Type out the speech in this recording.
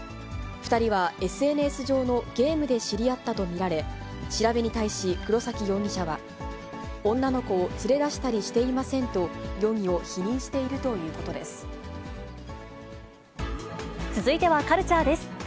２人はＳＮＳ上のゲームで知り合ったと見られ、調べに対し黒崎容疑者は、女の子を連れ出したりしていませんと、容疑を否認しているという続いてはカルチャーです。